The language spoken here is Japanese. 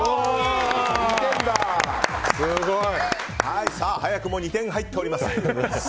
すごい。早くも２点入っております。